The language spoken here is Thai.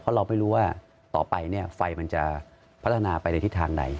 เพราะเราไม่รู้ว่าต่อไปไฟมันจะพัฒนาไปในทิศทางใด